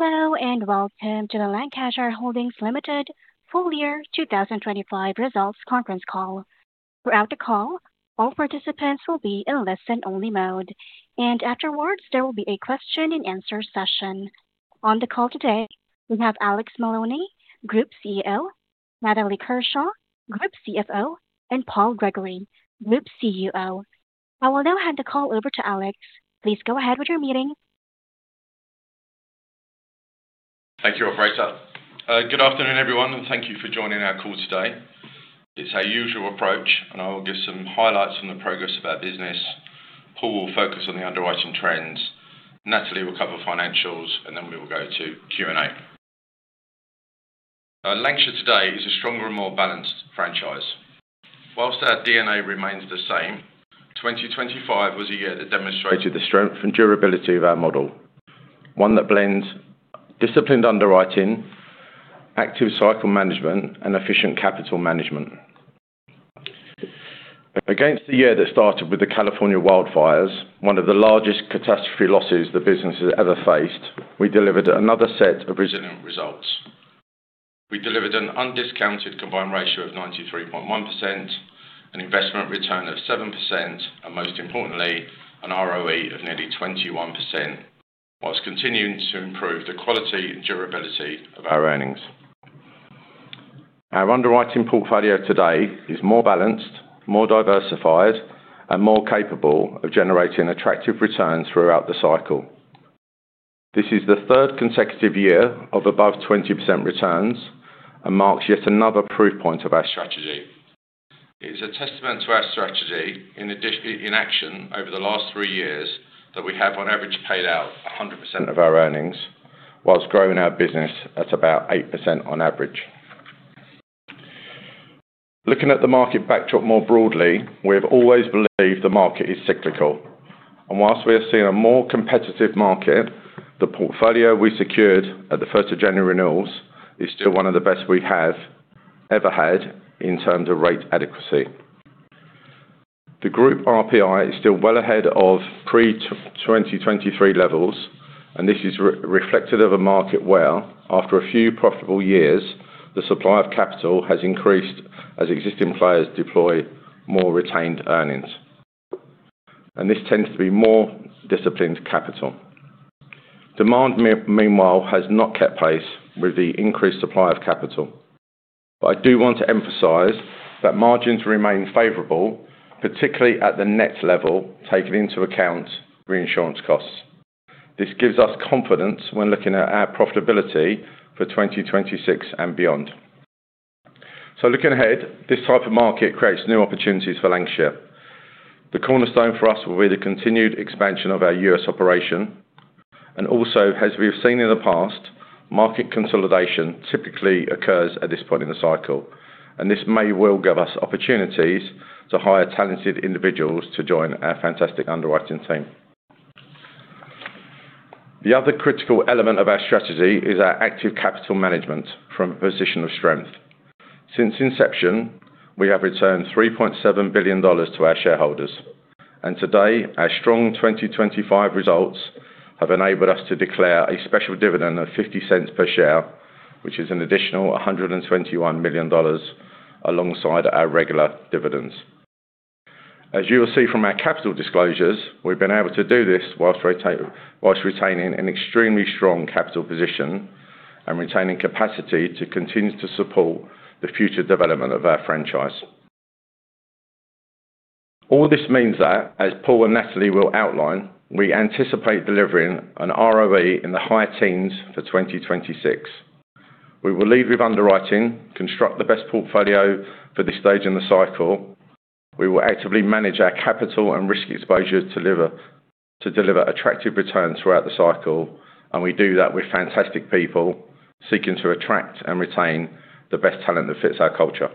Hello, welcome to the Lancashire Holdings Limited Full Year 2025 Results Conference Call. Throughout the call, all participants will be in listen only mode, and afterwards, there will be a question and answer session. On the call today, we have Alex Maloney, Group CEO, Natalie Kershaw, Group CFO, and Paul Gregory, Group CEO. I will now hand the call over to Alex. Please go ahead with your meeting. Thank you, operator. Good afternoon, everyone, and thank you for joining our call today. It's our usual approach. I will give some highlights on the progress of our business. Paul will focus on the underwriting trends, Natalie will cover financials. Then we will go to Q&A. Lancashire today is a stronger and more balanced franchise. Whilst our DNA remains the same, 2025 was a year that demonstrated the strength and durability of our model. One that blends disciplined underwriting, active cycle management, and efficient capital management. Against the year that started with the California wildfires, one of the largest catastrophe losses the business has ever faced, we delivered another set of resilient results. We delivered an undiscounted combined ratio of 93.1%, an investment return of 7%, and most importantly, an ROE of nearly 21%, whilst continuing to improve the quality and durability of our earnings. Our underwriting portfolio today is more balanced, more diversified, and more capable of generating attractive returns throughout the cycle. This is the third consecutive year of above 20% returns and marks yet another proof point of our strategy. It is a testament to our strategy in action over the last 3 years that we have, on average, paid out 100% of our earnings whilst growing our business at about 8% on average. Looking at the market backdrop more broadly, we have always believed the market is cyclical. Whilst we are seeing a more competitive market, the portfolio we secured at the 1st of January renewals is still one of the best we have ever had in terms of rate adequacy. The Group RPI is still well ahead of pre-2023 levels, this is reflected of a market where, after a few profitable years, the supply of capital has increased as existing players deploy more retained earnings. This tends to be more disciplined capital. Demand meanwhile has not kept pace with the increased supply of capital. I do want to emphasize that margins remain favorable, particularly at the net level, taking into account reinsurance costs. This gives us confidence when looking at our profitability for 2026 and beyond. Looking ahead, this type of market creates new opportunities for Lancashire. The cornerstone for us will be the continued expansion of our U.S. operation. Also, as we've seen in the past, market consolidation typically occurs at this point in the cycle, and this may well give us opportunities to hire talented individuals to join our fantastic underwriting team. The other critical element of our strategy is our active capital management from a position of strength. Since inception, we have returned $3.7 billion to our shareholders, and today our strong 2025 results have enabled us to declare a special dividend of $0.50 per share, which is an additional $121 million alongside our regular dividends. As you will see from our capital disclosures, we've been able to do this whilst retaining an extremely strong capital position and retaining capacity to continue to support the future development of our franchise. All this means that, as Paul and Natalie will outline, we anticipate delivering an ROE in the high teens for 2026. We will lead with underwriting, construct the best portfolio for this stage in the cycle. We will actively manage our capital and risk exposure to deliver attractive returns throughout the cycle. We do that with fantastic people seeking to attract and retain the best talent that fits our culture.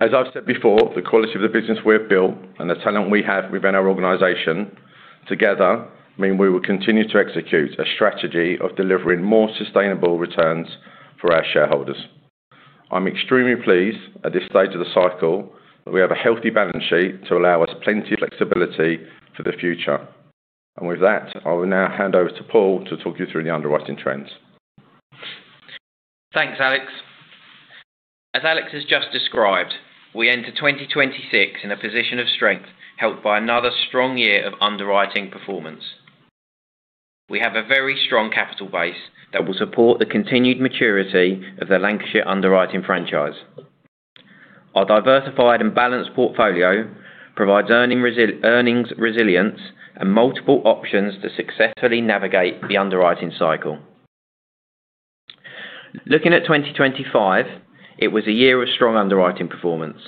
As I've said before, the quality of the business we have built and the talent we have within our organization together mean we will continue to execute a strategy of delivering more sustainable returns for our shareholders. I'm extremely pleased at this stage of the cycle that we have a healthy balance sheet to allow us plenty of flexibility for the future. With that, I will now hand over to Paul to talk you through the underwriting trends. Thanks, Alex. As Alex has just described, we enter 2026 in a position of strength, helped by another strong year of underwriting performance. We have a very strong capital base that will support the continued maturity of the Lancashire underwriting franchise. Our diversified and balanced portfolio provides earnings resilience and multiple options to successfully navigate the underwriting cycle. Looking at 2025, it was a year of strong underwriting performance.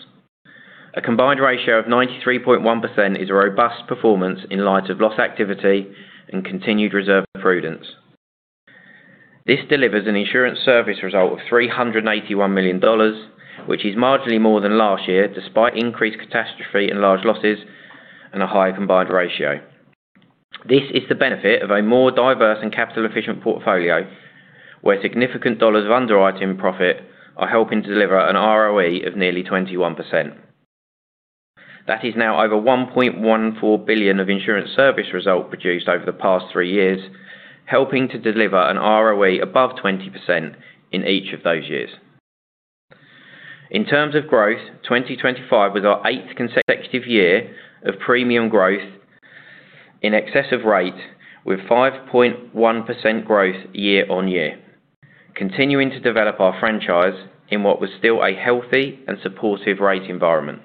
A combined ratio of 93.1% is a robust performance in light of loss activity and continued reserve prudence. This delivers an insurance service result of $381 million, which is marginally more than last year, despite increased catastrophe and large losses and a higher combined ratio. This is the benefit of a more diverse and capital efficient portfolio, where significant dollar of underwriting profit are helping to deliver an ROE of nearly 21%. That is now over $1.14 billion of insurance service result produced over the past three years, helping to deliver an ROE above 20% in each of those years. In terms of growth, 2025 was our eighth consecutive year of premium growth in excess of rate with 5.1% growth year-on-year, continuing to develop our franchise in what was still a healthy and supportive rate environment.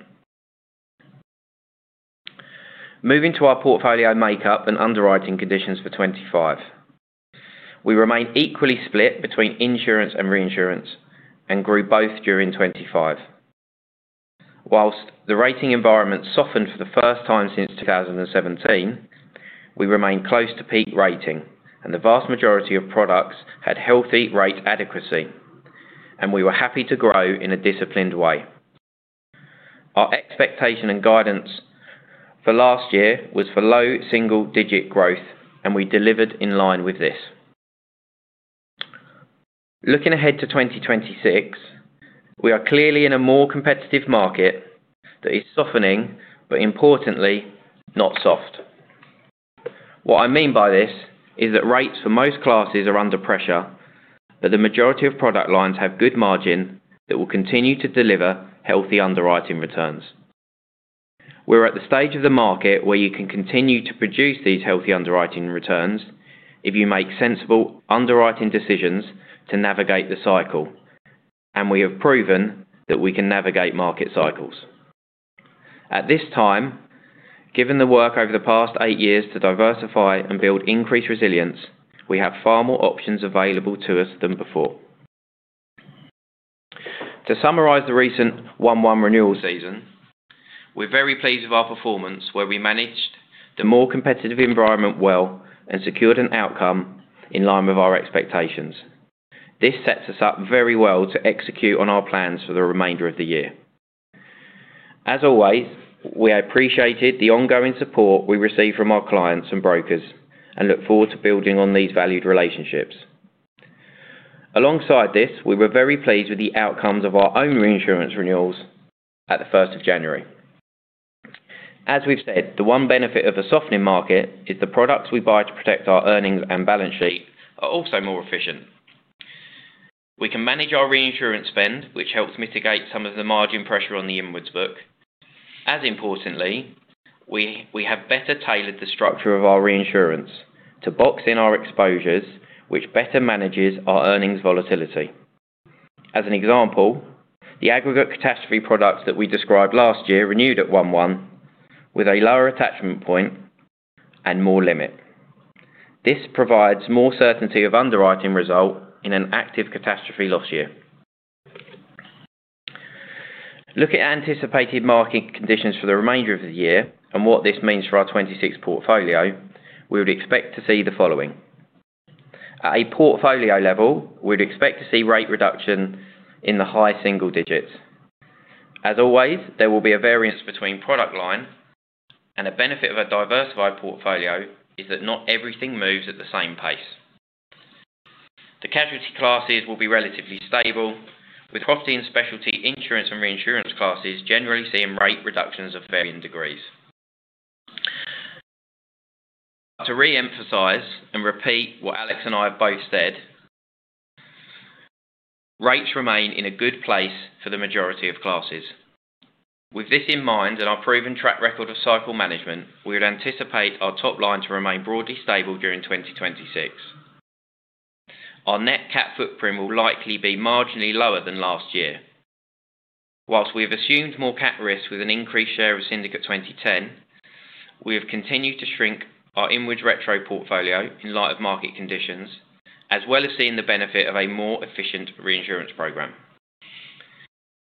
Moving to our portfolio makeup and underwriting conditions for 2025. We remain equally split between insurance and reinsurance and grew both during 2025. The rating environment softened for the first time since 2017, we remain close to peak rating and the vast majority of products had healthy rate adequacy, and we were happy to grow in a disciplined way. Our expectation and guidance for last year was for low single-digit growth and we delivered in line with this. Looking ahead to 2026, we are clearly in a more competitive market that is softening, but importantly, not soft. What I mean by this is that rates for most classes are under pressure, but the majority of product lines have good margin that will continue to deliver healthy underwriting returns. We're at the stage of the market where you can continue to produce these healthy underwriting returns if you make sensible underwriting decisions to navigate the cycle, and we have proven that we can navigate market cycles. At this time, given the work over the past eight years to diversify and build increased resilience, we have far more options available to us than before. To summarize the recent 1/1 renewal season, we're very pleased with our performance where we managed the more competitive environment well and secured an outcome in line with our expectations. This sets us up very well to execute on our plans for the remainder of the year. As always, we appreciated the ongoing support we received from our clients and brokers and look forward to building on these valued relationships. Alongside this, we were very pleased with the outcomes of our own reinsurance renewals at the 1 January. As we've said, the one benefit of the softening market is the products we buy to protect our earnings and balance sheet are also more efficient. We can manage our reinsurance spend, which helps mitigate some of the margin pressure on the inwards book. As importantly, we have better tailored the structure of our reinsurance to box in our exposures, which better manages our earnings volatility. As an example, the aggregate catastrophe products that we described last year renewed at 1/1 with a lower attachment point and more limit. This provides more certainty of underwriting result in an active catastrophe loss year. Looking at anticipated market conditions for the remainder of the year and what this means for our 2026 portfolio, we would expect to see the following. At a portfolio level, we'd expect to see rate reduction in the high single digits. As always, there will be a variance between product line and a benefit of a diversified portfolio is that not everything moves at the same pace. The casualty classes will be relatively stable, with property and specialty insurance and reinsurance classes generally seeing rate reductions of varying degrees. To reemphasize and repeat what Alex and I have both said, rates remain in a good place for the majority of classes. With this in mind and our proven track record of cycle management, we would anticipate our top line to remain broadly stable during 2026. Our net cat footprint will likely be marginally lower than last year. Whilst we have assumed more cat risk with an increased share of Syndicate 2010, we have continued to shrink our inward retro portfolio in light of market conditions, as well as seeing the benefit of a more efficient reinsurance program.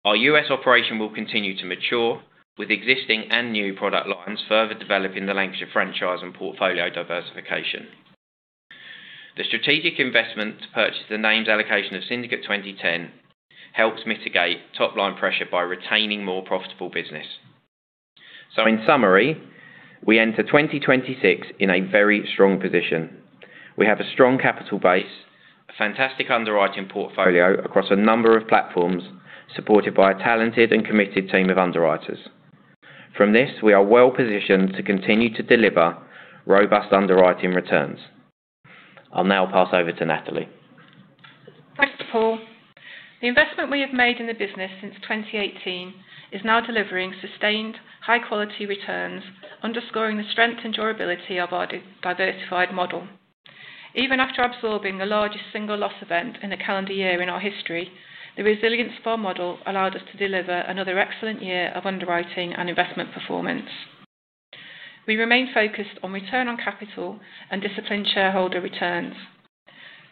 Our US operation will continue to mature with existing and new product lines further developing the Lancashire franchise and portfolio diversification. The strategic investment to purchase the names allocation of Syndicate 2010 helps mitigate top-line pressure by retaining more profitable business. In summary, we enter 2026 in a very strong position. We have a strong capital base, a fantastic underwriting portfolio across a number of platforms supported by a talented and committed team of underwriters. From this, we are well positioned to continue to deliver robust underwriting returns. I'll now pass over to Natalie. Thanks, Paul. The investment we have made in the business since 2018 is now delivering sustained high-quality returns, underscoring the strength and durability of our diversified model. Even after absorbing the largest single loss event in a calendar year in our history, the resilience of our model allowed us to deliver another excellent year of underwriting and investment performance. We remain focused on return on capital and disciplined shareholder returns.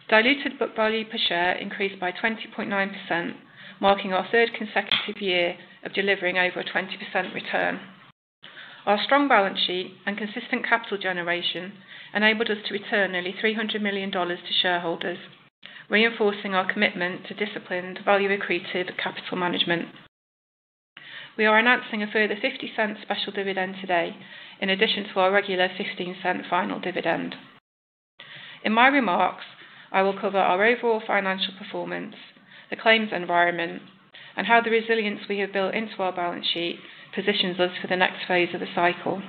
Diluted book value per share increased by 20.9%, marking our third consecutive year of delivering over a 20% return. Our strong balance sheet and consistent capital generation enabled us to return nearly $300 million to shareholders, reinforcing our commitment to disciplined value accretive capital management. We are announcing a further $0.50 special dividend today in addition to our regular $0.15 final dividend. In my remarks, I will cover our overall financial perfomance, the claims environment, and how the resilience we have built into our balance sheet positions us for the next phase of the cycle.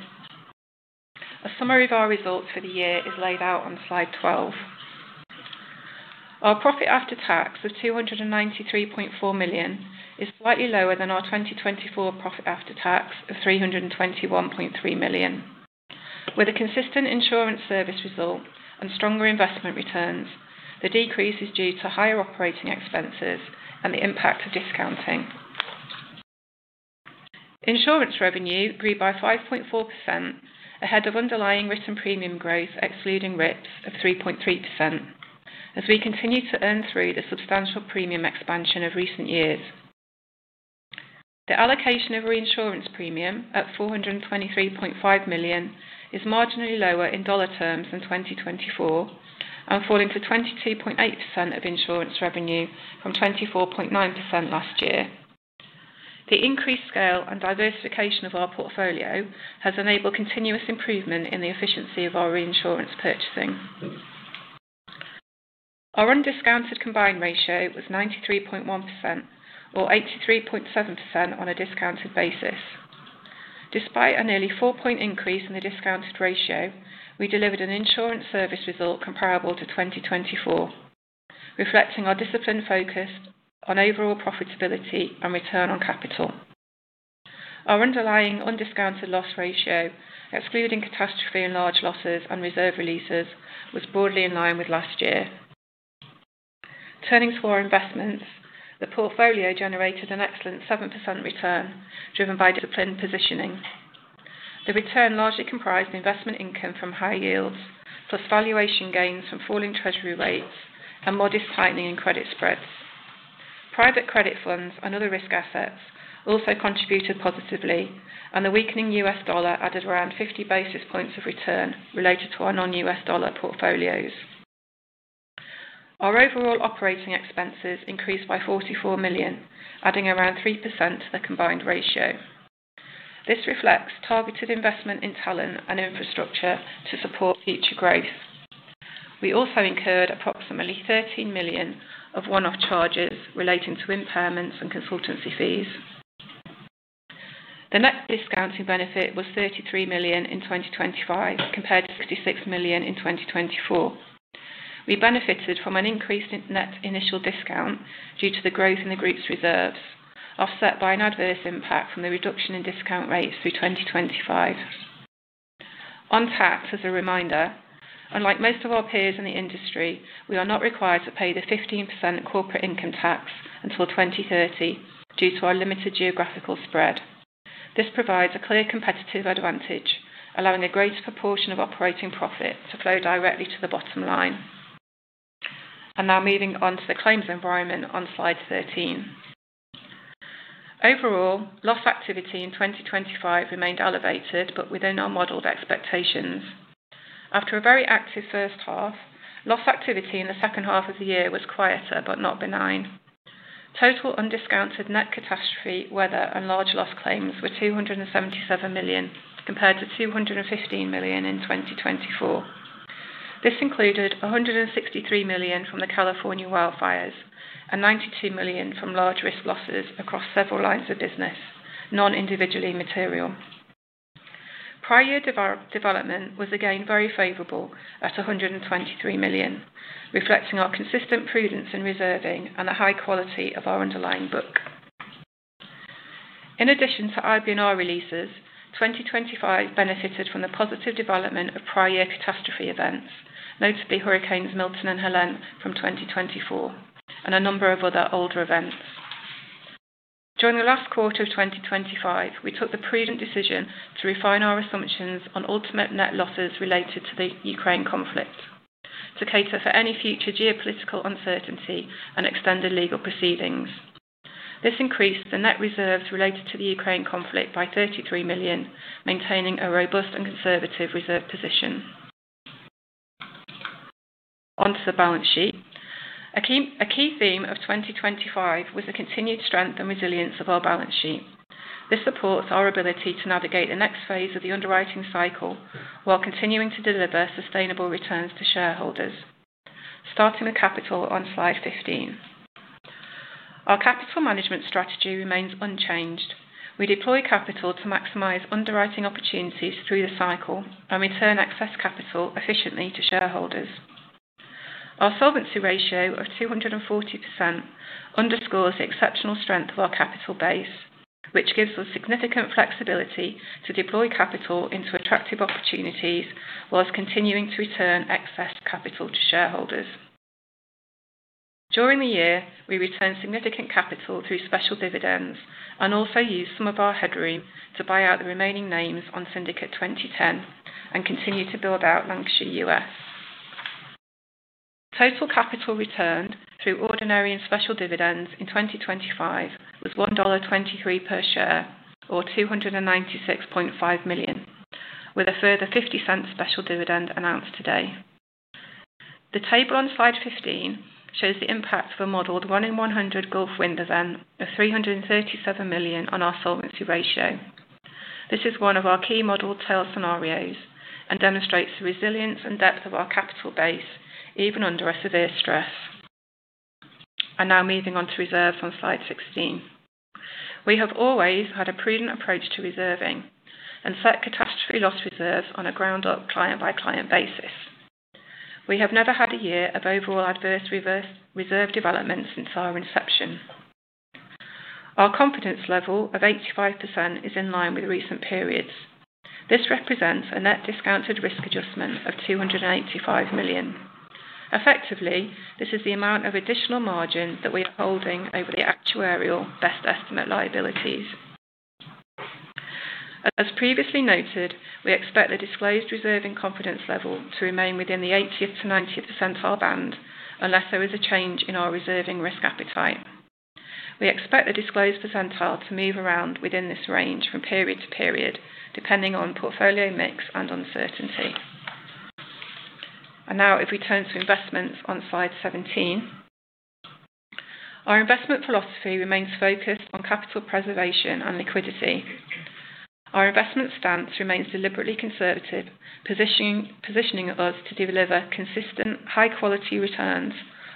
A summary of our results for the year is laid out on slide 12. Our profit after tax of $293.4 million is slightly lower than our 2024 profit after tax of $321.3 million. With a consistent insurance service result and stronger investment returns, the decrease is due to higher operating expenses and the impact of discounting. Insurance revenue grew by 5.4% ahead of underlying written premium growth, excluding RIPS, of 3.3%, as we continue to earn through the substantial premium expansion of recent years. The allocation of reinsurance premium at $423.5 million is marginally lower in dollar terms than 2024 and falling to 22.8% of insurance revenue from 24.9% last year. The increased scale and diversification of our portfolio has enabled continuous improvement in the efficiency of our reinsurance purchasing. Our undiscounted combined ratio was 93.1% or 83.7% on a discounted basis. Despite a nearly four-point increase in the discounted ratio, we delivered an insurance service result comparable to 2024, reflecting our disciplined focus on overall profitability and return on capital. Our underlying undiscounted loss ratio, excluding catastrophe and large losses and reserve releases, was broadly in line with last year. Turning to our investments, the portfolio generated an excellent 7% return, driven by disciplined positioning. The return largely comprised investment income from high yields, plus valuation gains from falling treasury rates and modest tightening in credit spreads. Private credit funds and other risk assets also contributed positively, and the weakening US dollar added around 50 basis points of return related to our non-US dollar portfolios. Our overall operating expenses increased by $44 million, adding around 3% to the combined ratio. This reflects targeted investment in talent and infrastructure to support future growth. We also incurred approximately $13 million of one-off charges relating to impairments and consultancy fees. The net discounting benefit was $33 million in 2025 compared to $56 million in 2024. We benefited from an increase in net initial discount due to the growth in the group's reserves, offset by an adverse impact from the reduction in discount rates through 2025. On tax, as a reminder, unlike most of our peers in the industry, we are not required to pay the 15% corporate income tax until 2030 due to our limited geographical spread. This provides a clear competitive advantage, allowing a greater proportion of operating profit to flow directly to the bottom line. Moving on to the claims environment on slide 13. Overall, loss activity in 2025 remained elevated but within our modeled expectations. After a very active H1, loss activity in the H2 of the year was quieter but not benign. Total undiscounted net catastrophe weather and large loss claims were $277 million, compared to $215 million in 2024. This included $163 million from the California wildfires and $92 million from large risk losses across several lines of business, non-individually material. Prior year development was again very favorable at $123 million, reflecting our consistent prudence in reserving and the high quality of our underlying book. In addition to IBNR releases, 2025 benefited from the positive development of prior year catastrophe events, notably hurricanes Milton and Helene from 2024 and a number of other older events. During the last quarter of 2025, we took the prudent decision to refine our assumptions on ultimate net losses related to the Ukraine conflict to cater for any future geopolitical uncertainty and extended legal proceedings. This increased the net reserves related to the Ukraine conflict by $33 million, maintaining a robust and conservative reserve position. Onto the balance sheet. A key theme of 2025 was the continued strength and resilience of our balance sheet. This supports our ability to navigate the next phase of the underwriting cycle while continuing to deliver sustainable returns to shareholders. Starting with capital on slide 15. Our capital management strategy remains unchanged. We deploy capital to maximize underwriting opportunities through the cycle and return excess capital efficiently to shareholders. Our solvency ratio of 240% underscores the exceptional strength of our capital base, which gives us significant flexibility to deploy capital into attractive opportunities whilst continuing to return excess capital to shareholders. During the year, we returned significant capital through special dividends and also used some of our headroom to buy out the remaining names on Syndicate 2010 and continue to build out Lancashire US. Total capital returned through ordinary and special dividends in 2025 was $1.23 per share or $296.5 million, with a further $0.50 special dividend announced today. The table on slide 15 shows the impact of a modeled one in 100 Gulf wind event of $337 million on our solvency ratio. This is one of our key model tail scenarios and demonstrates the resilience and depth of our capital base even under a severe stress. Now moving on to reserves on slide 16. We have always had a prudent approach to reserving and set catastrophe loss reserves on a ground up client by client basis. We have never had a year of overall adverse reverse reserve development since our inception. Our confidence level of 85% is in line with recent periods. This represents a net discounted risk adjustment of $285 million. Effectively, this is the amount of additional margin that we are holding over the actuarial best estimate liabilities. As previously noted, we expect the disclosed reserving confidence level to remain within the 80th-90th percentile band unless there is a change in our reserving risk appetite. We expect the disclosed percentile to move around within this range from period to period, depending on portfolio mix and uncertainty. Now if we turn to investments on slide 17. Our investment philosophy remains focused on capital preservation and liquidity. Our investment stance remains deliberately conservative, positioning us to deliver consistent high quality returns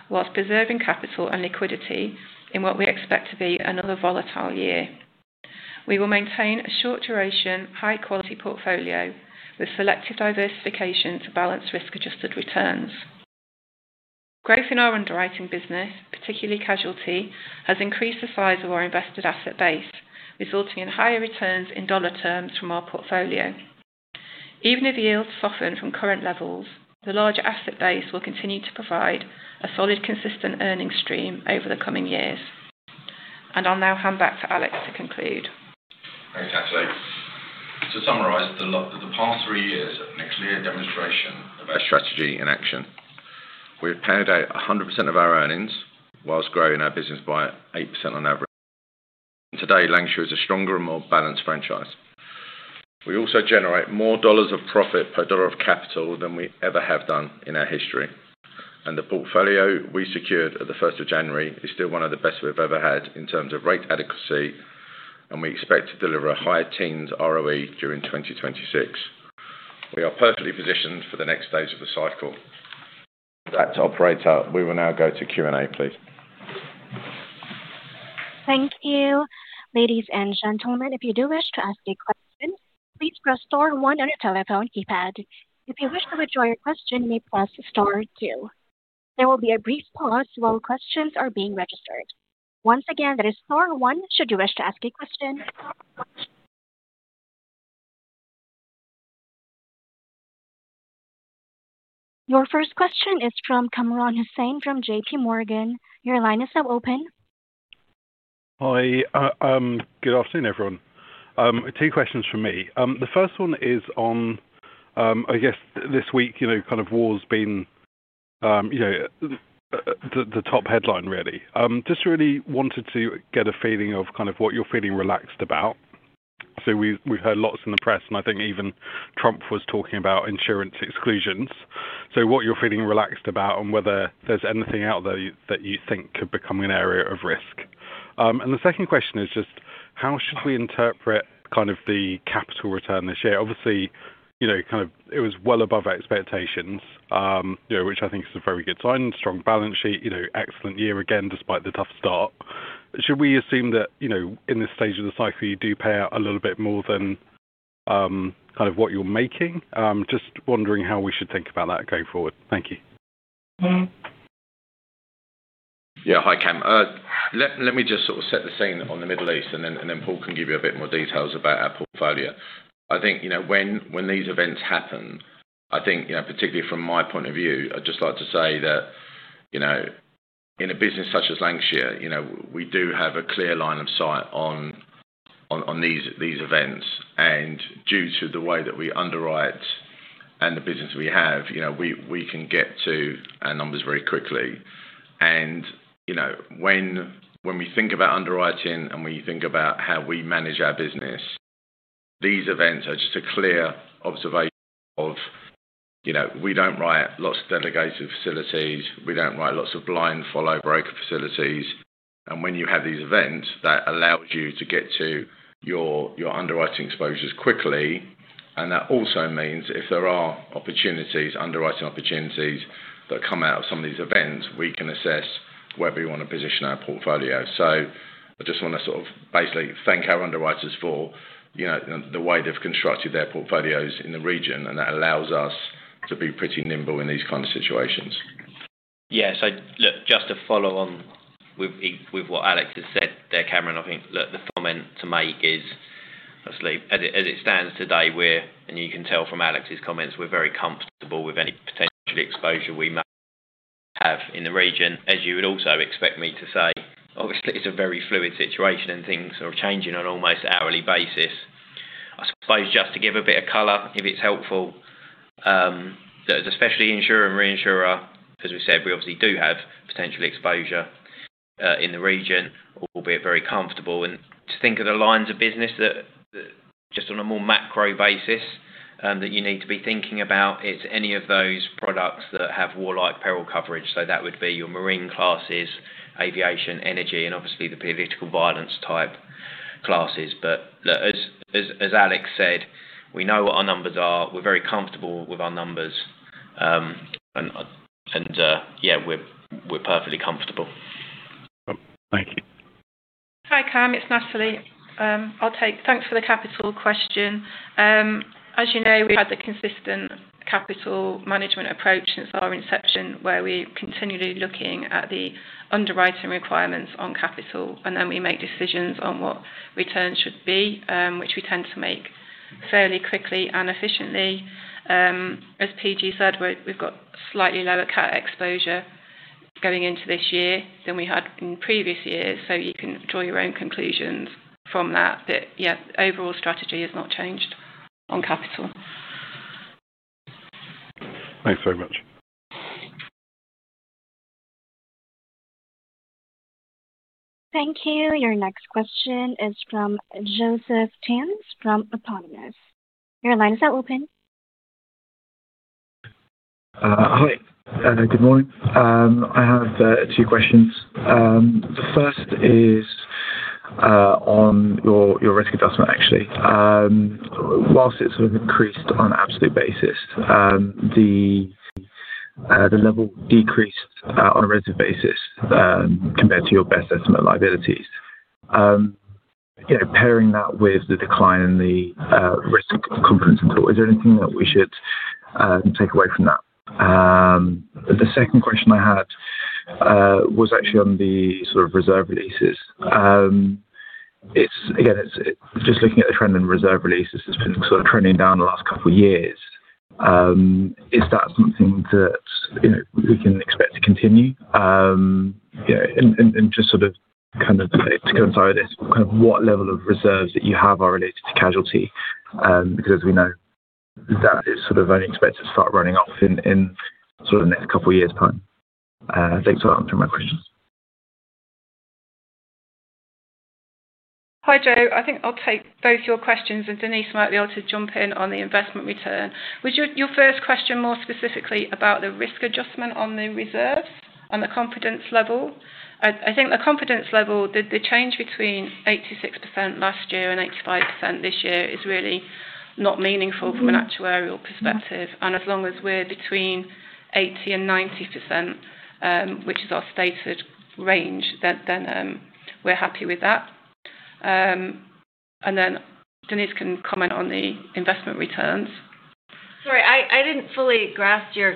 while preserving capital and liquidity in what we expect to be another volatile year. We will maintain a short duration, high quality portfolio with selected diversification to balance risk adjusted returns. Growth in our underwriting business, particularly casualty, has increased the size of our invested asset base, resulting in higher returns in dollar terms from our portfolio. Even if yields soften from current levels, the larger asset base will continue to provide a solid, consistent earning stream over the coming years. I'll now hand back to Alex to conclude. Thanks, Natalie. To summarize, the past three years have been a clear demonstration of our strategy in action. We have paid out 100% of our earnings whilst growing our business by 8% on average. Today, Lancashire is a stronger and more balanced franchise. We also generate more dollars of profit per dollar of capital than we ever have done in our history. The portfolio we secured at the first of January is still one of the best we've ever had in terms of rate adequacy, and we expect to deliver a high teens ROE during 2026. We are perfectly positioned for the next stage of the cycle. That operator. We will now go to Q&A, please. Thank you. Ladies and gentlemen, if you do wish to ask a question, please press star one on your telephone keypad. If you wish to withdraw your question, you may press star two. There will be a brief pause while questions are being registered. Once again, that is star one should you wish to ask a question. Your first question is from Kamran Hossain from JPMorgan. Your line is now open. Hi. good afternoon, everyone. Two questions from me. The first one is on, I guess this week, you know, kind of war's been, you know, the top headline, really. just really wanted to get a feeling of kind of what you're feeling relaxed about. We've heard lots in the press, and I think even Trump was talking about insurance exclusions. What you're feeling relaxed about and whether there's anything out there that you think could become an area of risk. And the second question is just how should we interpret kind of the capital return this year? Obviously, you know, kind of it was well above our expectations, you know, which I think is a very good sign, strong balance sheet, you know, excellent year again, despite the tough start. Should we assume that, you know, in this stage of the cycle, you do pay out a little bit more than kind of what you're making? Just wondering how we should think about that going forward. Thank you. Yeah. Hi, Kamran. Let me just sort of set the scene on the Middle East, then Paul can give you a bit more details about our portfolio. I think, you know, when these events happen, I think, you know, particularly from my point of view, I'd just like to say that, you know, in a business such as Lancashire, you know, we do have a clear line of sight on these events. Due to the way that we underwrite and the business we have, you know, we can get to our numbers very quickly. You know, when we think about underwriting and we think about how we manage our business, these events are just a clear observation of, you know, we don't write lots of delegated facilities. We don't write lots of blind follow broker facilities. When you have these events, that allows you to get to your underwriting exposures quickly. That also means if there are opportunities, underwriting opportunities that come out of some of these events, we can assess where we want to position our portfolio. I just want to sort of basically thank our underwriters for, you know, the way they've constructed their portfolios in the region, and that allows us to be pretty nimble in these kind of situations. Look, just to follow on with what Alex has said there, Kamran, I think the comment to make is obviously as it stands today, we're, and you can tell from Alex's comments, we're very comfortable with any potential exposure we may have in the region. As you would also expect me to say, obviously, it's a very fluid situation and things are changing on almost hourly basis. I suppose just to give a bit of color, if it's helpful, as a specialty insurer and reinsurer, as we said, we obviously do have potential exposure in the region, albeit very comfortable. To think of the lines of business that just on a more macro basis That you need to be thinking about is any of those products that have war-like peril coverage. That would be your marine classes, aviation, energy, and obviously the political violence type classes. Look, as Alex said, we know what our numbers are. We're very comfortable with our numbers, and we're perfectly comfortable. Thank you. Hi, Kmran. It's Natalie. Thanks for the capital question. As you know, we've had the consistent capital management approach since our inception, where we're continually looking at the underwriting requirements on capital, then we make decisions on what returns should be, which we tend to make fairly quickly and efficiently. As PG said, we've got slightly lower cat exposure going into this year than we had in previous years, you can draw your own conclusions from that. Yeah, overall strategy has not changed on capital. Thanks very much. Thank you. Your next question is from Joseph Theuns from Autonomous. Your line is now open. Hi. Good morning. I have two questions. The first is on your risk adjustment, actually. Whilst it sort of increased on an absolute basis, the level decreased on a relative basis, compared to your best estimate liabilities. You know, pairing that with the decline in the risk confidence interval, is there anything that we should take away from that? The second question I had was actually on the sort of reserve releases. It's again, it's just looking at the trend in reserve releases has been sort of trending down the last couple of years. Is that something that, you know, we can expect to continue? You know, just sort of, kind of to go inside of this, kind of what level of reserves that you have are related to casualty, because we know that is sort of only expected to start running off in sort of the next couple of years time? Thanks for answering my questions. Hi, Joseph. I think I'll take both your questions, and Denise might be able to jump in on the investment return. Was your first question more specifically about the risk adjustment on the reserves and the confidence level? I think the confidence level, the change between 86% last year and 85% this year is really not meaningful from an actuarial perspective. As long as we're between 80%-90%, which is our stated range, then we're happy with that. Denise can comment on the investment returns. Sorry, I didn't fully grasp your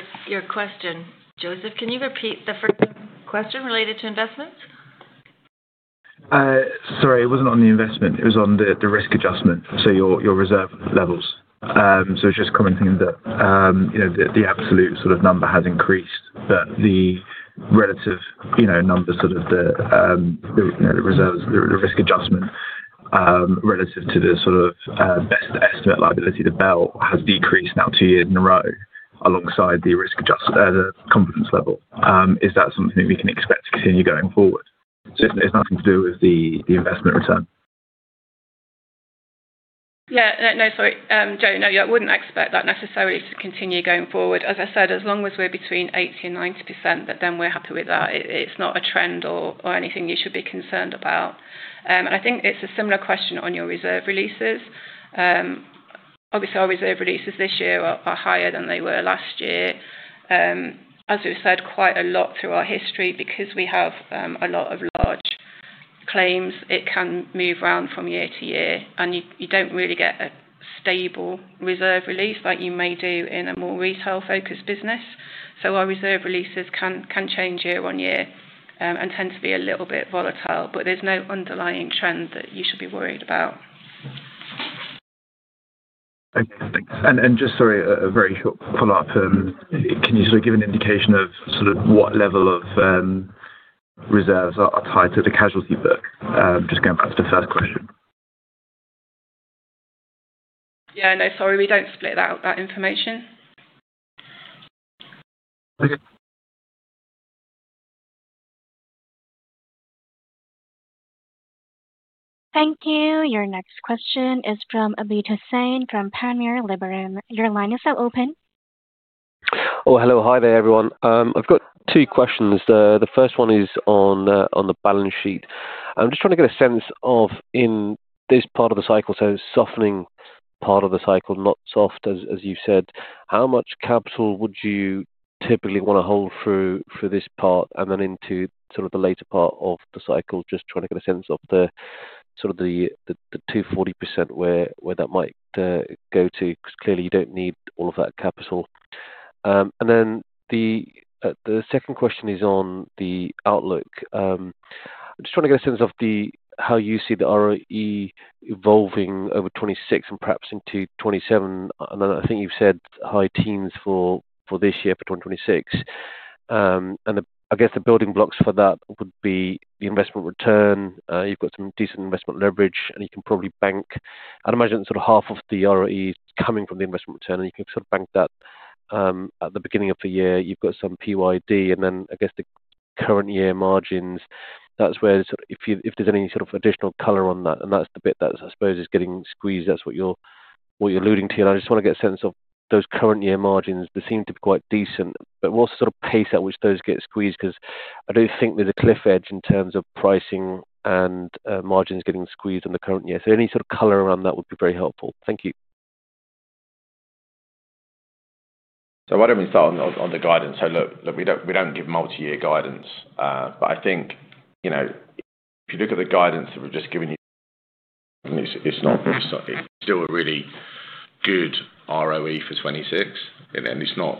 question. Joseph, can you repeat the first question related to investments? Sorry, it wasn't on the investment. It was on the risk adjustment, so your reserve levels. It's just commenting that, you know, the absolute sort of number has increased, but the relative, you know, number, sort of the, you know, the reserves, the risk adjustment, relative to the sort of, best estimate liability, the BEL, has decreased now two years in a row alongside the risk adjustment, the confidence level. Is that something we can expect to continue going forward? It's nothing to do with the investment return. Sorry. Joseph, yeah. I wouldn't expect that necessarily to continue going forward. As I said, as long as we're between 80% and 90%, we're happy with that. It's not a trend or anything you should be concerned about. I think it's a similar question on your reserve releases. Obviously, our reserve releases this year are higher than they were last year. As we've said quite a lot through our history because we have a lot of large claims, it can move around from year to year, and you don't really get a stable reserve release like you may do in a more retail-focused business. Our reserve releases can change year on year and tend to be a little bit volatile, but there's no underlying trend that you should be worried about. Okay, thanks. Just sorry, a very short follow-up. Can you sort of give an indication of sort of what level of reserves are tied to the casualty book? Just going back to the first question. Yeah, no, sorry. We don't split out that information. Okay. Thank you. Your next question is from Abid Hussain from Panmure Liberum. Your line is now open. Oh, hello. Hi there, everyone. I've got two questions. The first one is on the balance sheet. I'm just trying to get a sense of in this part of the cycle, so softening part of the cycle, not soft as you said, how much capital would you typically wanna hold through for this part and then into sort of the later part of the cycle? Just trying to get a sense of the sort of the 240% where that might go to 'cause clearly you don't need all of that capital. Then the second question is on the outlook. I'm just trying to get a sense of how you see the ROE evolving over 2026 and perhaps into 2027. Then I think you've said high teens for this year for 2026. I guess the building blocks for that would be the investment return. You've got some decent investment leverage, and you can probably bank. I'd imagine sort of 1/2 of the ROE is coming from the investment return, and you can sort of bank that. At the beginning of the year, you've got some PYD, and then I guess the current year margins, that's where if there's any sort of additional color on that, and that's the bit that I suppose is getting squeezed. That's what you're alluding to here. I just want to get a sense of those current year margins. They seem to be quite decent, but what's the sort of pace at which those get squeezed? I do think there's a cliff edge in terms of pricing and margins getting squeezed on the current year. Any sort of color around that would be very helpful. Thank you. Why don't we start on the guidance? We don't give multi-year guidance. I think, you know, if you look at the guidance that we've just given you, it's still a really good ROE for 2026, and it's not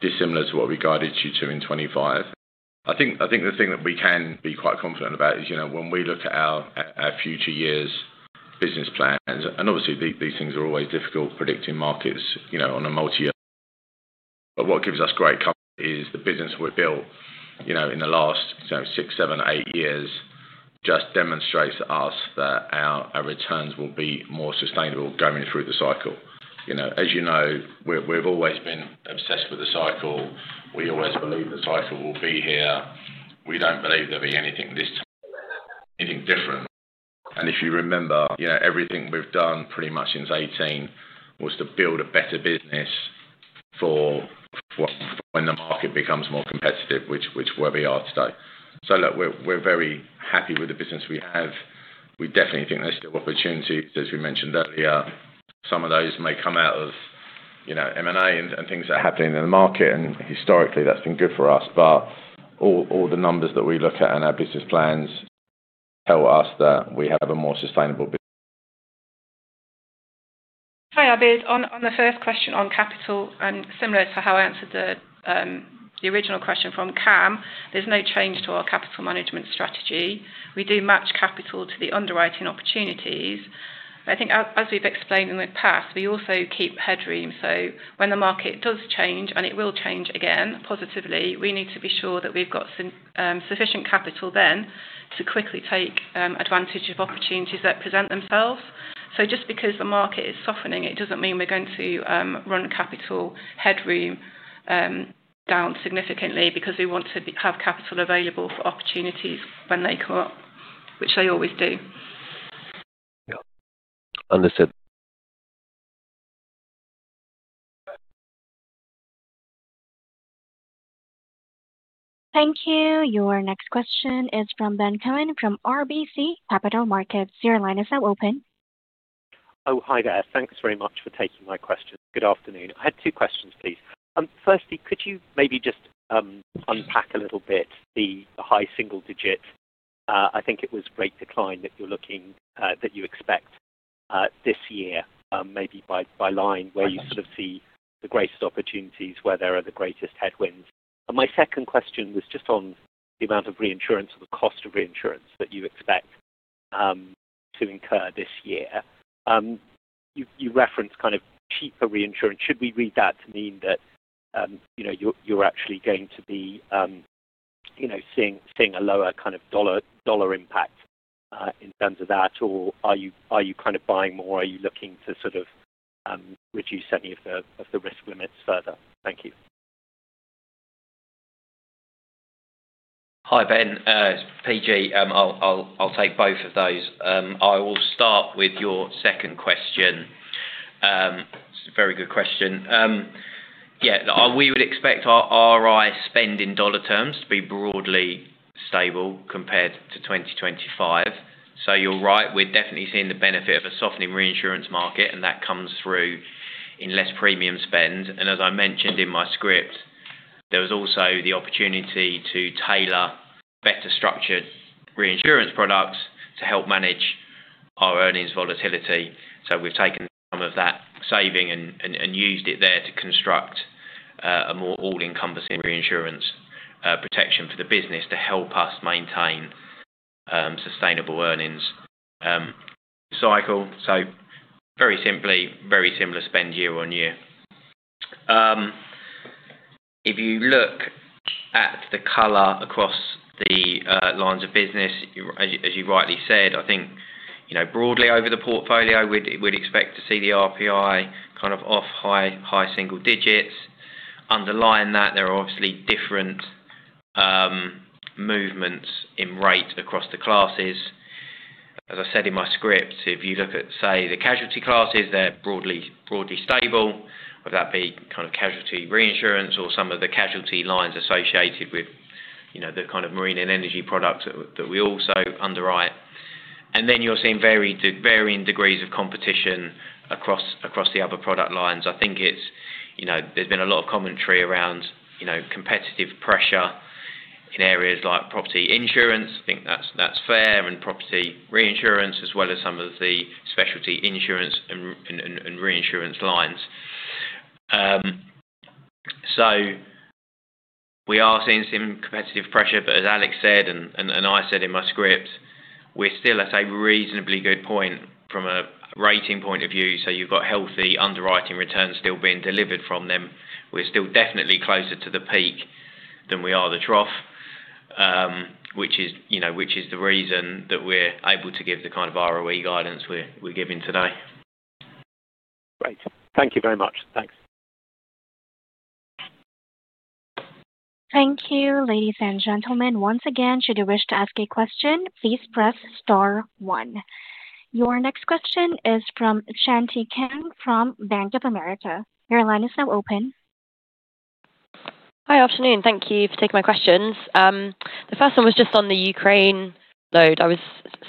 dissimilar to what we guided you to in 2025. I think the thing that we can be quite confident about is, you know, when we look at our future years business plans, obviously these things are always difficult predicting markets, you know, on a multi-year. What gives us great comfort is the business we've built, you know, in the last six, seven, eight years just demonstrates to us that our returns will be more sustainable going through the cycle. You know, as you know, we've always been obsessed with the cycle. We always believe the cycle will be here. We don't believe there'll be anything this time, anything different. If you remember, you know, everything we've done pretty much since 18 was to build a better business for when the market becomes more competitive, which is where we are today. Look, we're very happy with the business we have. We definitely think there's still opportunities, as we mentioned earlier. Some of those may come out of, you know, M&A and things that are happening in the market. Historically, that's been good for us. All the numbers that we look at in our business plans tell us that we have a more sustainable business. Hi, Abid. On the first question on capital and similar to how I answered the original question from Cam, there's no change to our capital management strategy. We do match capital to the underwriting opportunities. I think as we've explained in the past, we also keep headroom. When the market does change, and it will change again positively, we need to be sure that we've got some sufficient capital then to quickly take advantage of opportunities that present themselves. Just because the market is softening, it doesn't mean we're going to run capital headroom down significantly because we want to have capital available for opportunities when they come up, which they always do. Yeah. Understood. Thank you. Your next question is from Ben Cohen from RBC Capital Markets. Your line is now open. Oh, hi there. Thanks very much for taking my questions. Good afternoon. I had 2 questions, please. Firstly, could you maybe just unpack a little bit the high single-digit, I think it was great decline that you're looking that you expect this year, maybe by line where you sort of see the greatest opportunities, where there are the greatest headwinds. My second question was just on the amount of reinsurance or the cost of reinsurance that you expect to incur this year. You referenced kind of cheaper reinsurance. Should we read that to mean that, you know, you're actually going to be, you know, seeing a lower kind of dollar impact in terms of that? Or are you kind of buying more? Are you looking to sort of reduce any of the, of the risk limits further? Thank you. Hi, Ben. It's PG. I'll take both of those. I will start with your second question. It's a very good question. Yeah, we would expect our RI spend in dollar terms to be broadly stable compared to 2025. You're right, we're definitely seeing the benefit of a softening reinsurance market, and that comes through in less premium spend. As I mentioned in my script, there was also the opportunity to tailor better structured reinsurance products to help manage our earnings volatility. We've taken some of that saving and used it there to construct a more all-encompassing reinsurance protection for the business to help us maintain sustainable earnings cycle. Very simply, very similar spend year on year. If you look at the color across the lines of business, as you rightly said, I think, you know, broadly over the portfolio, we'd expect to see the RPI kind of off high single digits. Underlying that, there are obviously different movements in rate across the classes. As I said in my script, if you look at, say, the casualty classes, they're broadly stable, whether that be kind of casualty reinsurance or some of the casualty lines associated with, you know, the kind of marine and energy products that we also underwrite. Then you're seeing varying degrees of competition across the other product lines. I think it's, you know, there's been a lot of commentary around, you know, competitive pressure in areas like property insurance. I think that's fair. Property reinsurance as well as some of the specialty insurance and reinsurance lines. We are seeing some competitive pressure, but as Alex said and I said in my script, we're still at a reasonably good point from a rating point of view. You've got healthy underwriting returns still being delivered from them. We're still definitely closer to the peak than we are the trough, which is, you know, the reason that we're able to give the kind of ROE guidance we're giving today. Thank you very much. Thanks. Thank you, ladies and gentlemen. Once again, should you wish to ask a question, please press star one. Your next question is from Shanti Kang from Bank of America. Your line is now open. Hi. Afternoon. Thank you for taking my questions. The first one was just on the Ukraine load. I was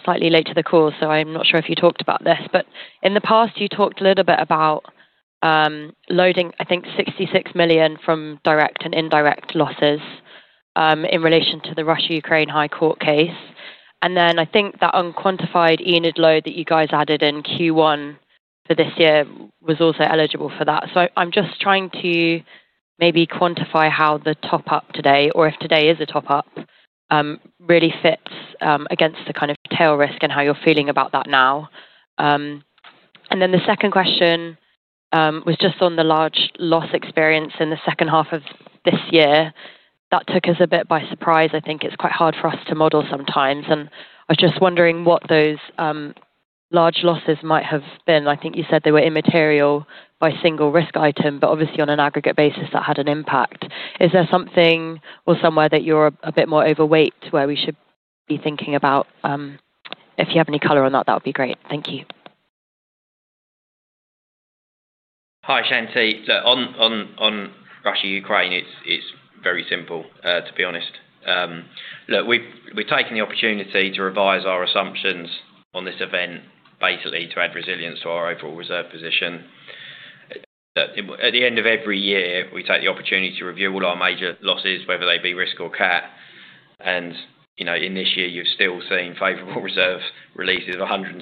slightly late to the call, so I'm not sure if you talked about this. In the past, you talked a little bit about loading, I think, $66 million from direct and indirect losses, in relation to the Russia-Ukraine High Court case. Then I think that unquantified IBNR load that you guys added in Q1 for this year was also eligible for that. I'm just trying to maybe quantify how the top up today or if today is a top up, really fits against the kind of tail risk and how you're feeling about that now. Then the second question was just on the large loss experience in the H2 of this year. That took us a bit by surprise. I think it's quite hard for us to model sometimes, and I was just wondering what those large losses might have been. I think you said they were immaterial by single risk item, but obviously on an aggregate basis that had an impact. Is there something or somewhere that you're a bit more overweight where we should be thinking about? If you have any color on that would be great. Thank you. Hi, Shanti. On Russia-Ukraine, it's very simple to be honest. Look, we've taken the opportunity to revise our assumptions on this event, basically to add resilience to our overall reserve position. At the end of every year, we take the opportunity to review all our major losses, whether they be risk or cat. You know, in this year, you've still seen favorable reserve releases of $123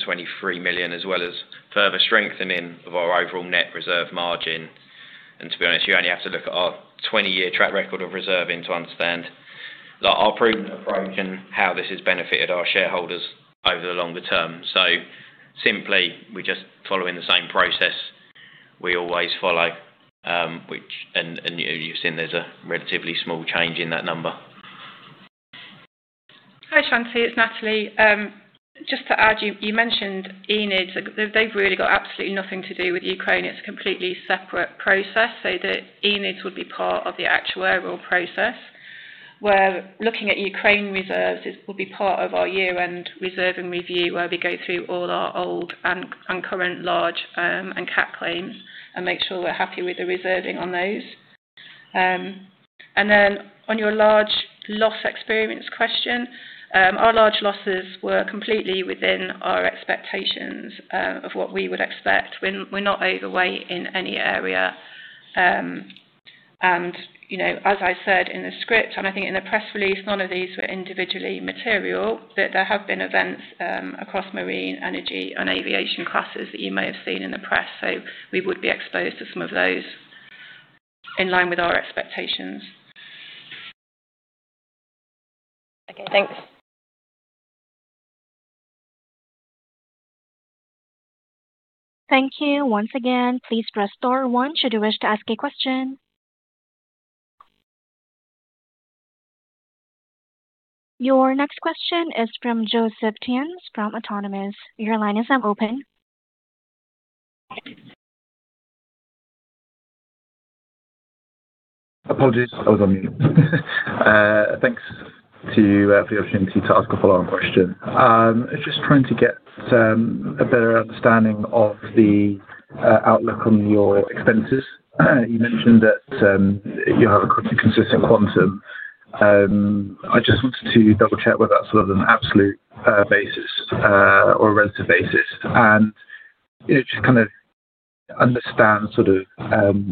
million, as well as further strengthening of our overall net reserve margin. To be honest, you only have to look at our 20-year track record of reserving to understand that our prudent approach and how this has benefited our shareholders over the longer term. Simply, we're just following the same process we always follow, which you've seen there's a relatively small change in that number. Hi, Shanti, it's Natalie. Just to add, you mentioned IBNR. They've really got absolutely nothing to do with Ukraine. It's a completely separate process. The IBNR would be part of the actuarial process. Where looking at Ukraine reserves, it will be part of our year-end reserving review where we go through all our old and current large and cat claims and make sure we're happy with the reserving on those. On your large loss experience question, our large losses were completely within our expectations of what we would expect. We're not overweight in any area. You know, as I said in the script, and I think in the press release, none of these were individually material. There have been events across marine energy and aviation classes that you may have seen in the press. We would be exposed to some of those in line with our expectations. Okay, thanks. Thank you. Once again, please press star one should you wish to ask a question. Your next question is from Joseph Theuns from Autonomous. Your line is now open. Apologies, I was on mute. Thanks to you for the opportunity to ask a follow-on question. Just trying to get a better understanding of the outlook on your expenses. You mentioned that you have a consistent quantum. I just wanted to double-check whether that's sort of an absolute basis or relative basis. You know, just kind of understand sort of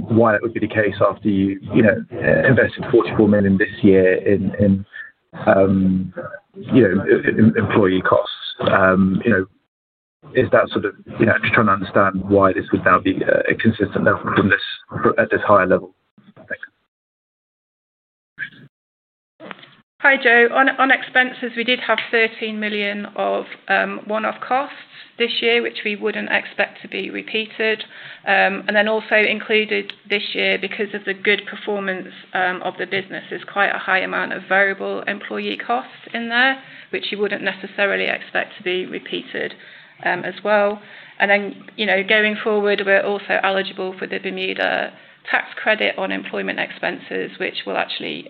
why it would be the case after you know, invested $44 million this year in employee costs. You know, just trying to understand why this would now be a consistent level at this higher level. Thanks. Hi, Joseph. On expenses, we did have $13 million of one-off costs this year, which we wouldn't expect to be repeated. Also included this year because of the good performance of the business, there's quite a high amount of variable employee costs in there, which you wouldn't necessarily expect to be repeated as well. You know, going forward, we're also eligible for the Bermuda tax credit on employment expenses, which will actually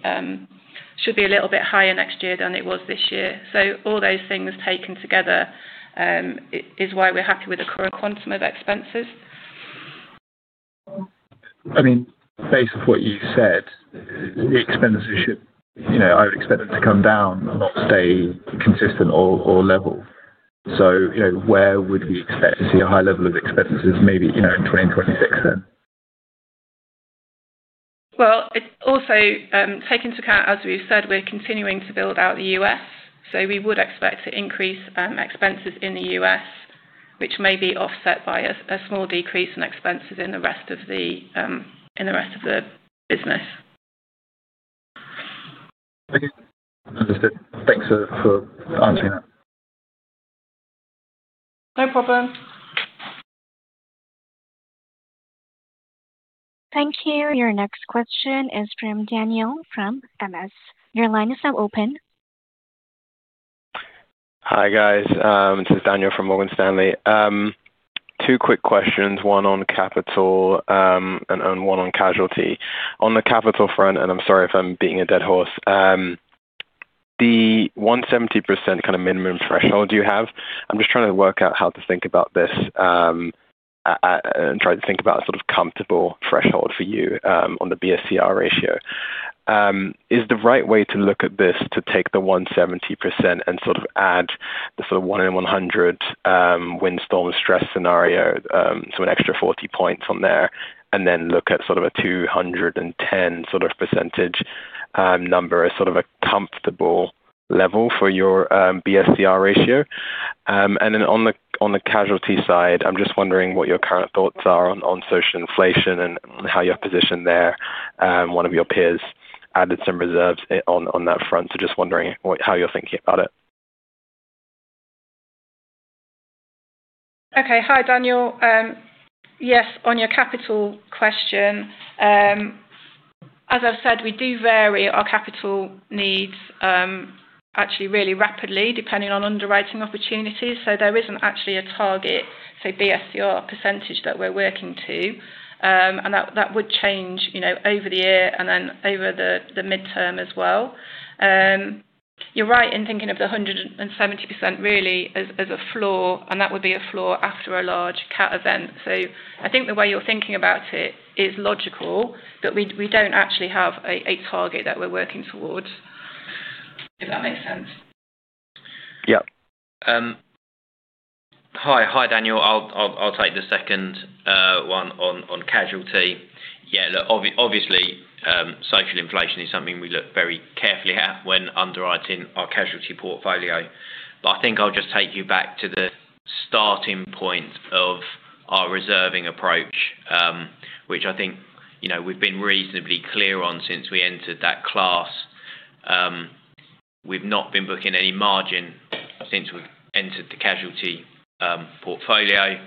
should be a little bit higher next year than it was this year. All those things taken together is why we're happy with the current quantum of expenses. I mean, based on what you said, the expenses should, you know, I would expect them to come down, not stay consistent or level. You know, where would we expect to see a high level of expenses, maybe, you know, in 2026 then? It also take into account, as we've said, we're continuing to build out the U.S., so we would expect to increase expenses in the U.S., which may be offset by a small decrease in expenses in the rest of the business. Okay. Understood. Thanks for answering that. No problem. Thank you. Your next question is from Daniel from Morgan Stanley. Your line is now open. Hi, guys. This is Daniel from Morgan Stanley. Two quick questions, one on capital, and one on casualty. On the capital front, I'm sorry if I'm beating a dead horse. The 170% kind of minimum threshold you have. I'm just trying to work out how to think about this, and try to think about a sort of comfortable threshold for you, on the BSCR ratio. Is the right way to look at this to take the 170% and sort of add the sort of 1 in 100 windstorm stress scenario, so an extra 40 points on there, and then look at sort of a 210% number as sort of a comfortable level for your BSCR ratio? Then on the, on the casualty side, I'm just wondering what your current thoughts are on social inflation and how you're positioned there. One of your peers added some reserves on that front. Just wondering how you're thinking about it. Okay. Hi, Daniel. Yes, on your capital question, as I've said, we do vary our capital needs, actually really rapidly depending on underwriting opportunities. There isn't actually a target, say, BSCR percentage that we're working to. That would change, you know, over the year and then over the midterm as well. You're right in thinking of the 170% really as a floor, and that would be a floor after a large cat event. I think the way you're thinking about it is logical, but we don't actually have a target that we're working towards, if that makes sense. Yeah. Hi. Hi, Daniel. I'll take the second one on casualty. Yeah, look, obviously, social inflation is something we look very carefully at when underwriting our casualty portfolio. I think I'll just take you back to the starting point of our reserving approach, which I think, you know, we've been reasonably clear on since we entered that class. We've not been booking any margin since we've entered the casualty portfolio.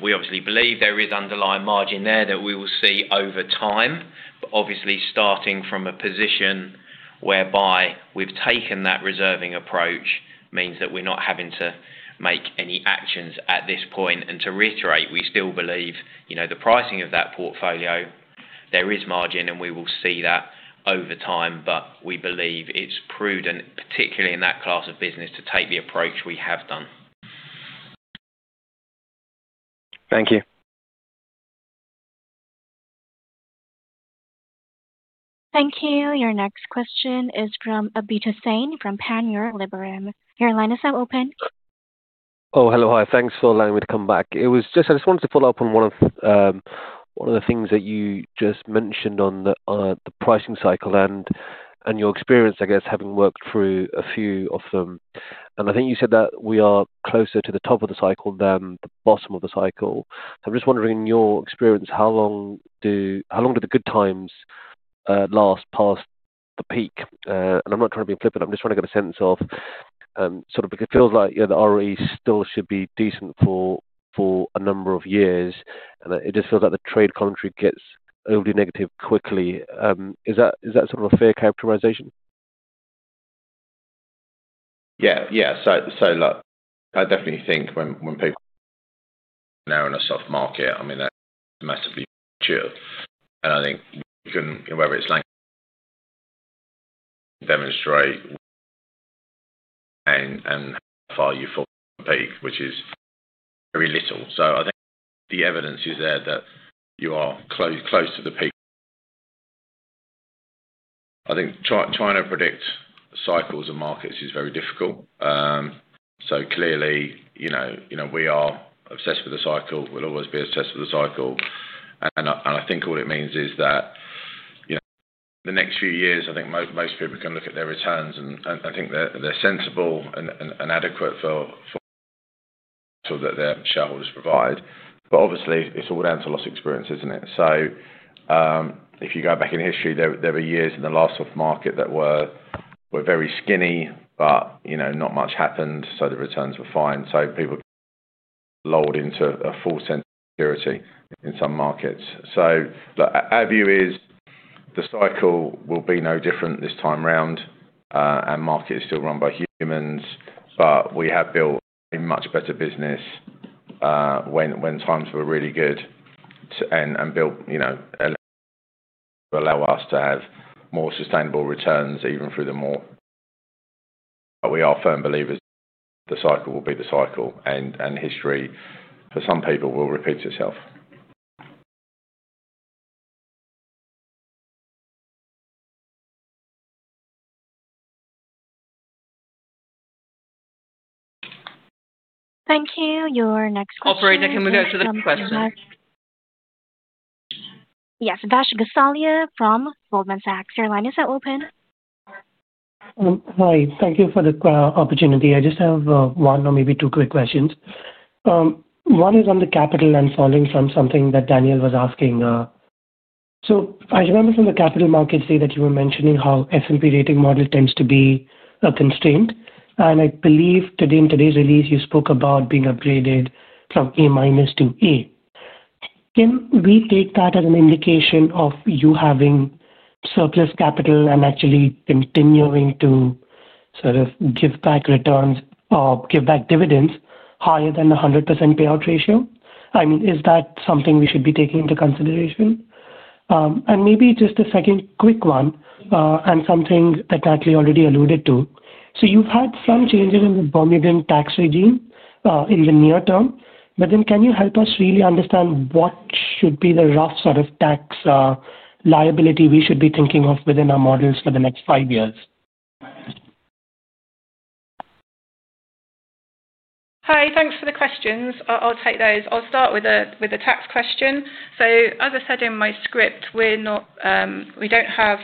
We obviously believe there is underlying margin there that we will see over time. Obviously, starting from a position whereby we've taken that reserving approach means that we're not having to make any actions at this point. To reiterate, we still believe, you know, the pricing of that portfolio, there is margin, and we will see that over time. We believe it's prudent, particularly in that class of business, to take the approach we have done. Thank you. Thank you. Your next question is from Abid Hussain from Panmure Gordon. Your line is now open. Oh, hello. Hi. Thanks for allowing me to come back. I just wanted to follow up on one of one of the things that you just mentioned on the pricing cycle and your experience, I guess, having worked through a few of them. I think you said that we are closer to the top of the cycle than the bottom of the cycle. I'm just wondering, in your experience, how long do the good times last past the peak? I'm not trying to be flippant, I'm just trying to get a sense of sort of it feels like, you know, the RE still should be decent for a number of years. It just feels like the trade commentary gets overly negative quickly. Is that sort of a fair characterization? Yeah. Yeah. Look, I definitely think when people now in a soft market, I mean, they're massively. I think you can, whether it's like demonstrate and how far you fall from the peak, which is very little. I think the evidence is there that you are close to the peak. I think trying to predict cycles and markets is very difficult. Clearly, you know, we are obsessed with the cycle. We'll always be obsessed with the cycle. I think all it means is that, you know, the next few years, I think most people are gonna look at their returns, and I think they're sensible and adequate for so that their shareholders provide. Obviously, it's all down to loss experience, isn't it? if you go back in history, there were years in the last soft market that were very skinny, but, you know, not much happened, the returns were fine. people lulled into a false sense of security in some markets. look, our view is the cycle will be no different this time around, and market is still run by humans. we have built a much better business, when times were really good to... and built, you know, a to allow us to have more sustainable returns even through the more. we are firm believers the cycle will be the cycle and history, for some people, will repeat itself. Thank you. Your next question- Operator, can we go to the next question? Yes. Vash Gosalia from Goldman Sachs. Your line is now open. Hi. Thank you for the opportunity. I just have one or maybe two quick questions. one is on the capital and following from something that Daniel was asking. I remember from the capital markets day that you were mentioning how S&P rating model tends to be a constraint. I believe today, in today's release, you spoke about being upgraded from A- to A. Can we take that as an indication of you having surplus capital and actually continuing to sort of give back returns or give back dividends higher than the 100% payout ratio? I mean, is that something we should be taking into consideration? Maybe just a second quick one, and something that Natalie already alluded to. You've had some changes in the Bermudian tax regime, in the near term, but then can you help us really understand what should be the rough sort of tax liability we should be thinking of within our models for the next five years? Hi. Thanks for the questions. I'll take those. I'll start with a tax question. As I said in my script, we're not, we don't have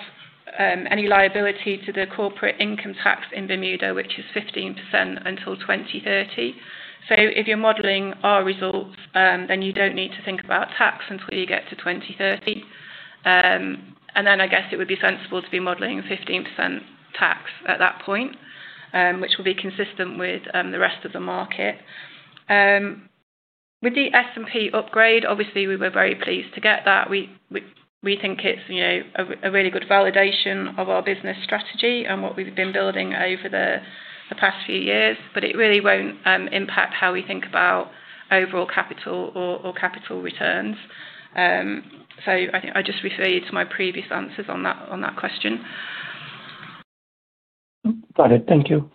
any liability to the corporate income tax in Bermuda, which is 15% until 2030. If you're modeling our results, then you don't need to think about tax until you get to 2030. And then I guess it would be sensible to be modeling 15% tax at that point, which will be consistent with the rest of the market. With the S&P upgrade, obviously we were very pleased to get that. We think it's, you know, a really good validation of our business strategy and what we've been building over the past few years. It really won't impact how we think about overall capital or capital returns. I think I'd just refer you to my previous answers on that question. Got it. Thank you.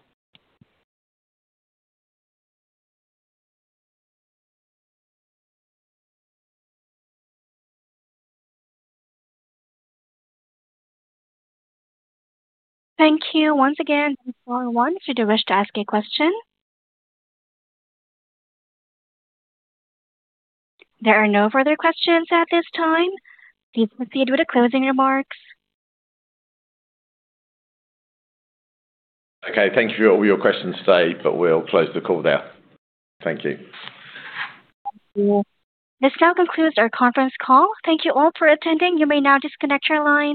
Thank you once again. Press star one if you do wish to ask a question. There are no further questions at this time. Please proceed with the closing remarks. Okay. Thank you for all your questions today. We'll close the call there. Thank you. This now concludes our conference call. Thank you all for attending. You may now disconnect your lines.